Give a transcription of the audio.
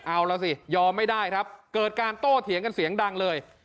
เอาล่ะสิยอมไม่ได้ครับเกิดการโต้เถียงกันเสียงดังเลย